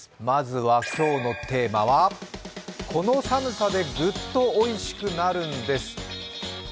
まずは今日のテーマは「この寒さでグッと美味しくなるんです」